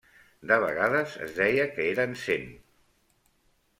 De vegades es deia que eren cent.